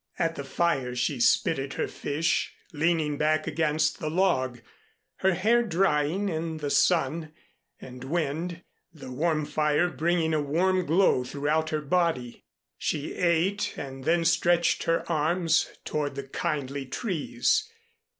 At the fire she spitted her fish, leaning back against the log, her hair drying in the sun and wind, the warm fire bringing a warm glow throughout her body. She ate and then stretched her arms toward the kindly trees.